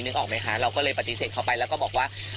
ออกไหมคะเราก็เลยปฏิเสธเขาไปแล้วก็บอกว่า